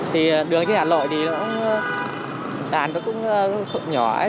thì đường đi hà nội thì đàn nó cũng sộn nhỏ ấy